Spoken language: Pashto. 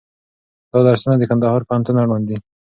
دا درسونه د کندهار پوهنتون اړوند دي.